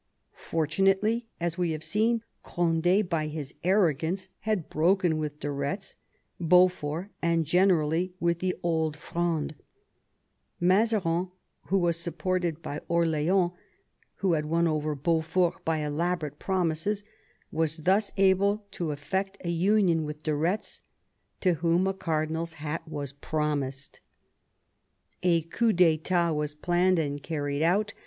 Fortunately, as we have seen, Cond^, by his arrogance, had broken with de Retz, Beaufort, and generally with the Old Fronde. Mazarin, who was supported by Orleans, and V THE EAELY YEARS OF THE NEW FRONDE 81 who had won over Beaufort by elaborate promises, was thus able to effect a union with de Ketz, to whom a cardinaFs hat was promised. A coup iitat was planned and carried out.